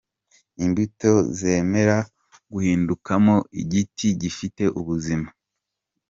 Imbuto zemera guhindukamo igiti gifite ubuzima.